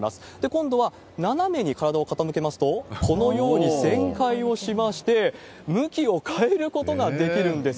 今度は斜めに体を傾けますと、このように旋回をしまして、向きを変えることができるんです。